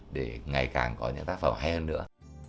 để ngày càng có những tác phẩm hay hơn nữa